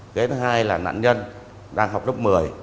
cái thứ hai là nạn nhân đang học lớp một mươi